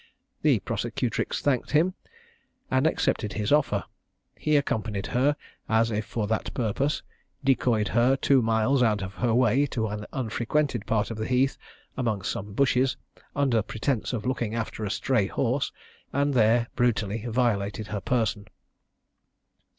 The prosecutrix thanked him, and accepted his offer. He accompanied her as if for that purpose, decoyed her two miles out of her way to an unfrequented part of the heath, amongst some bushes, under pretence of looking after a stray horse, and there brutally violated her person.